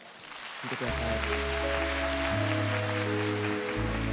聴いてください。